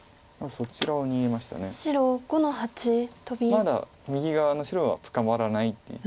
まだ右側の白は捕まらないっていう。